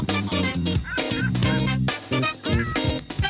โปรดติดตามตอนต่อไป